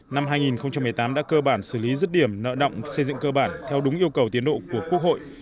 năm hai nghìn một mươi tám đã cơ bản xử lý rứt điểm nợ động xây dựng cơ bản theo đúng yêu cầu tiến độ của quốc hội